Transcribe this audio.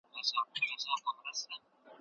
زه د مرګ تر بریده ستړی شوی یم.